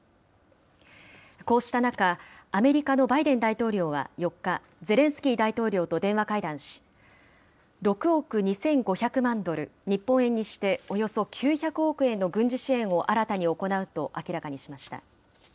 こうした中、アメリカのバイデン大統領は４日、ゼレンスキー大統領と電話会談し、６億２５００万ドル、日本円にしておよそ９００億円の軍事支援を新たに行うと明らかにしました。